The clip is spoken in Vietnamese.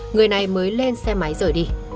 người này mới lên xe máy rời đi